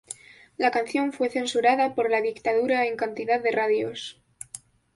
La canción fue censurada por la dictadura en cantidad de radios.